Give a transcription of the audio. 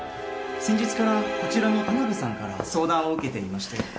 先日からこちらの田辺さんから相談を受けていまして。